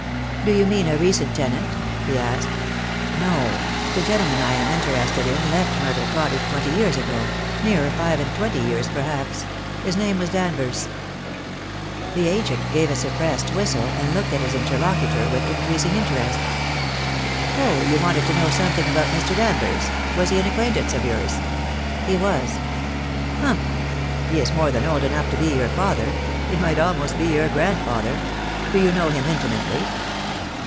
"Do you mean a recent tenant?" he asked. "No; the gentleman I am interested in left Myrtle Cottage twenty years ago — nearer flve and twenty years, perhaps. His name was Danvers." The agent gave a suppressed whistle, and looked at his interlocutor with increasing interest. "Oh, you wanted to know something about Mr. Dan vers. Was he an acquaintance of yours?" "He was." "Humph! He is more than old enough to be your father. He might almost be your grandfather. Do you know him intimately?"